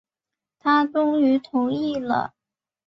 他终于同意了